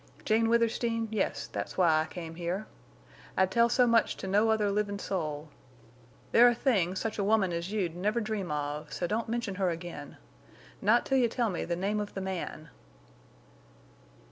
Jane Withersteen, yes, that's why I came here. I'd tell so much to no other livin' soul.... There're things such a woman as you'd never dream of—so don't mention her again. Not till you tell me the name of the man!"